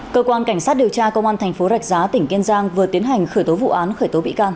cơ quan cảnh sát điều tra công an thành phố rạch giá tỉnh kiên giang vừa tiến hành khởi tố vụ án khởi tố bị can